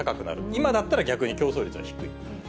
今だったら逆に競争率は低い。